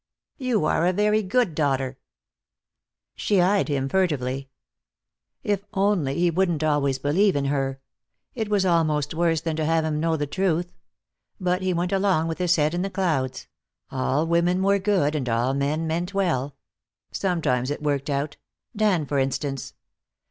"You are a very good daughter." She eyed him furtively. If only he wouldn't always believe in her! It was almost worse than to have him know the truth. But he went along with his head in the clouds; all women were good and all men meant well. Sometimes it worked out; Dan, for instance.